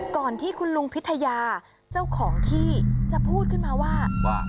ก่อนที่คุณลุงพิทยาเจ้าของที่จะพูดขึ้นมาว่า